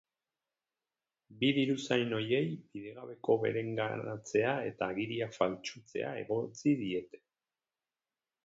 Bi diruzain ohiei bidegabeko bereganatzea eta agiriak faltsutzea egotzi diete.